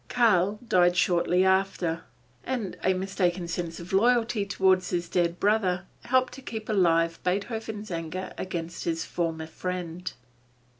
Karl died shortly after, and a mistaken sense of loyalty toward his dead brother helped to keep alive Beethoven's anger against his former friend.